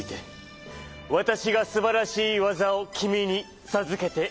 わたしがすばらしいわざをきみにさずけてしんぜよう。